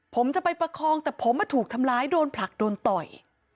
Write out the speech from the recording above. ผมจะไปประคองแต่ผมถูกทำร้ายโดนผลักโดนต่อย